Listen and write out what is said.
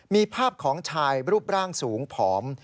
มีภาพของชายรูปร่างสูงผอม